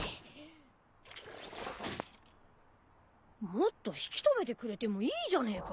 もっと引き留めてくれてもいいじゃねえか。